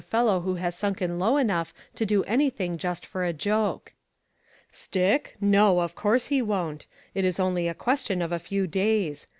fellow who has sunken low enough to do anything just for a joke. "Stick? no, of course he won't. It is only a question of a few days.